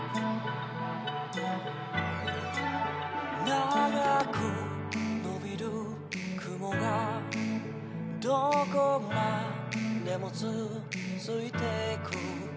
「長く伸びる雲がどこまでも続いていく」